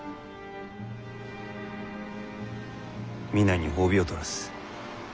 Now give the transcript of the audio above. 皆に褒美を取らす。